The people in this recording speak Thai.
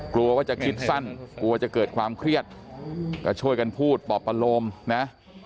กลัวว่าจะคิดสั้นจะเกิดความเครียดก็ช่วยกันพูดปลอดภัณฑ์รมนะ